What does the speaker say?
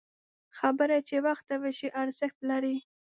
خبره چې وخته وشي، ارزښت لري